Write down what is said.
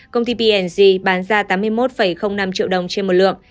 công ty p g bán ra tám mươi một năm triệu đồng trên một lượng